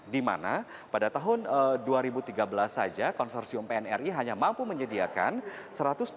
dimana pada tahun dua ribu tiga belas saja konsursium pnri hanya mampu menyediakan satu ratus dua puluh juta